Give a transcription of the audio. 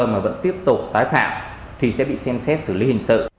mà vẫn tiếp tục tái phạm thì sẽ bị xem xét xử lý hình sự